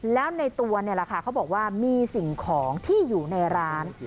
แล้วในตัวนี่แหละค่ะเขาบอกว่ามีสิ่งของที่อยู่ในร้าน